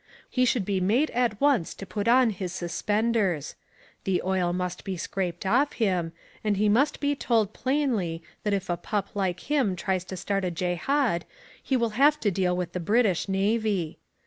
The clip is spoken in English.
He should be made at once to put on his suspenders. The oil must be scraped off him, and he must be told plainly that if a pup like him tries to start a Jehad he will have to deal with the British Navy.